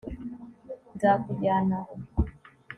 nzakujyana aho